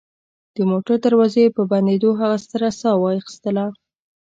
د موټر دروازې په بندېدو هغه ستره ساه واخیستله